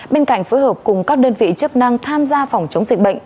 bên cạnh phối hợp cùng các đơn vị chức năng tham gia phòng chống dịch bệnh